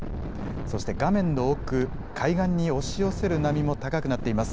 そして画面の奥、海岸に押し寄せる波も高くなっています。